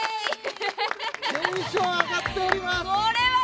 テンション上がっております